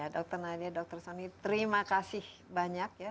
dokter nadia dokter soni terima kasih banyak